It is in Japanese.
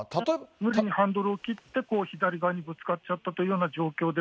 無理にハンドル切って、左側にぶつかっちゃったというような状況